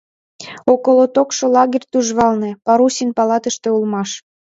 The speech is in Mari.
Околотокшо лагерь тӱжвалне, парусин палатыште улмаш.